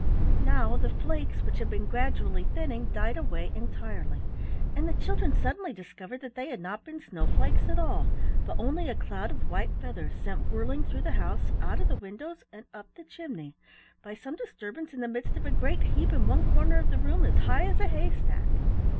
Now the flakes, which had been gradually thinning, died away entirely, and the children suddenly discovered that they had not been snowflakes at all but only a cloud of white feathers sent whirling through the house, out of the windows, and up the chimney by some disturbance in the midst of a great heap in one corner of the room as high as a haystack.